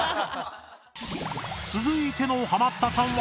続いてのハマったさんは。